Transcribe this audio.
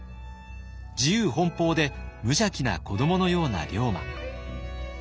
自由奔放で無邪気な子どものような龍馬。